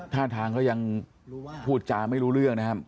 ท่าทางเขายังพูดจาไม่รู้เรื่องนะครับ